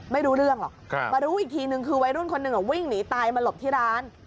ไม่รู้เรื่องหรอกมารู้อีกทีนึงคือวัยรุ่นคนหนึ่งวิ่งหนีตายมาหลบที่ร้าน